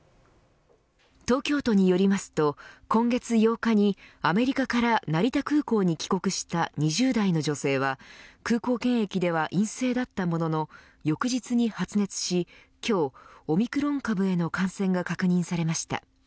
東京都によりますと今月８日にアメリカから成田空港に帰国した２０代の女性は空港検疫では陰性だったものの翌日に発熱し今日、オミクロン株への感染が確認されました。